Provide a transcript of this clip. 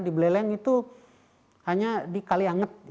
di beleleng itu hanya di kalianget